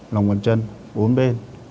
lòng bàn chân bốn bên